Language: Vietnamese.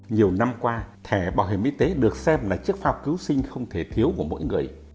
nhiều năm qua thẻ bảo hiểm y tế được xem là chiếc phao cứu sinh không thể thiếu của mỗi người